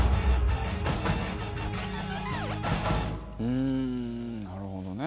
うんなるほどね。